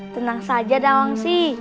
tenang saja nawangsi